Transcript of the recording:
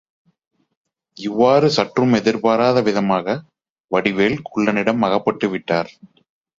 இவ்வாறு சற்றும் எதிர்பாராத விதமாக வடிவேல் குள்ளனிடம் அகப்பட்டுவிட்டார்.